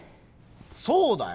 そうだよ。